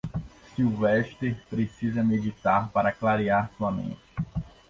Sylvester precisava meditar para clarear sua mente.